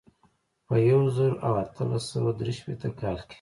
په یو زر او اتلس سوه درې شپېته کال کې.